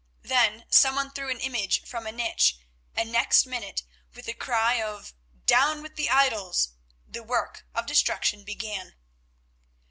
Then some one threw an image from a niche, and next minute, with a cry of "Down with the idols," the work of destruction began.